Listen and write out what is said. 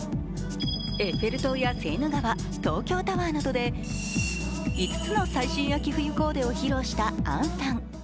エッフェル塔やセーヌ川、東京タワーなどで５つの最新秋冬コーデを披露した杏さん。